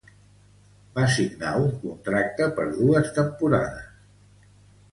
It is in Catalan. Va signar un contracte per dos temporades.